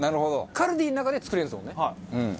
ＫＡＬＤＩの中で作れるんですもんね。